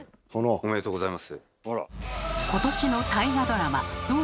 おめでとうございます。